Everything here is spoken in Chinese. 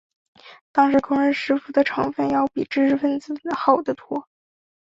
当时工人师傅的成分要比知识分子好得多。